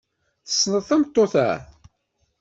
Tessneḍ tameṭṭut-a?